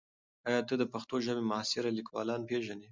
ایا ته د پښتو ژبې معاصر لیکوالان پېژنې؟